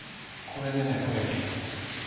これでね増えていくんです。